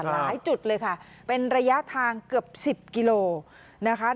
หลายจุดเลยค่ะเป็นระยะทางเกือบ๑๐กิโลนะคะ